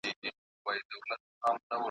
چي ماښام ته ډوډۍ رانیسي پرېمانه .